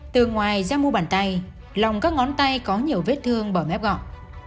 từ ngoài ra mu bàn tay lòng các ngón tay có nhiều vết thương bờ mép gọn